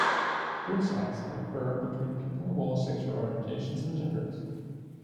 Group sex can occur between people of all sexual orientations and genders.